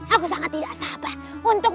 aku sangat tidak sabar untuk